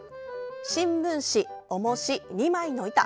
新聞紙、重し、２枚の板。